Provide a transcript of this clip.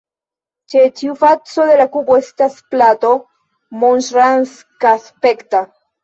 Ĉe ĉiu faco de la kubo estas plato, monŝrankaspekta.